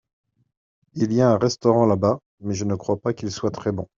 Il y a un restaurant là-bas, mais je ne crois pas qu’il soit très bon.